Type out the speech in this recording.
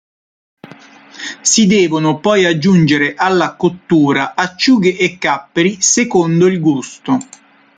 Si devono poi aggiungere alla cottura acciughe e capperi secondo il gusto.